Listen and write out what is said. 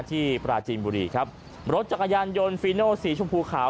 ปราจีนบุรีครับรถจักรยานยนต์ฟีโนสีชมพูขาว